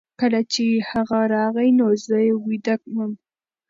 کله چې هغه راغی نو زه ویده وم.